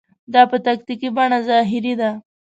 دا په تکتیکي بڼه ظاهري ده.